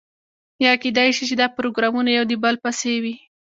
یا کیدای شي چې دا پروګرامونه یو د بل پسې وي.